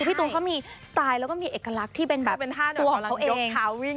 พี่ตูนเขามีสไตล์แล้วก็มีเอกลักษณ์ที่เป็นแบบตัวของเขาเอง